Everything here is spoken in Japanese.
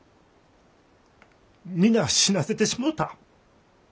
皆死なせてしもうた。